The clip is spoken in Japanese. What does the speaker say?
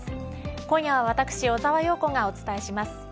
今夜は私小澤陽子がお伝えします